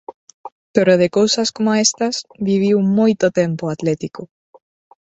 Pero de cousas coma estas viviu moito tempo o Atlético.